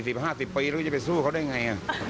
เราไม่ต้องสู้เรามีเคล็ดลับเรามีชีเด็กยังไงป่า